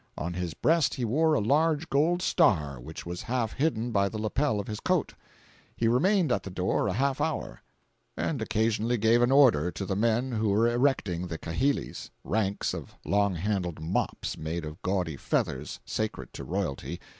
On his breast he wore a large gold star, which was half hidden by the lapel of his coat. He remained at the door a half hour, and occasionally gave an order to the men who were erecting the kahilis [Ranks of long handled mops made of gaudy feathers—sacred to royalty.